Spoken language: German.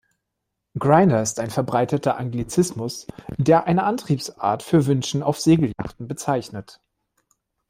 Grinder ist ein verbreiteter Anglizismus, der eine Antriebsart für Winschen auf Segelyachten bezeichnet.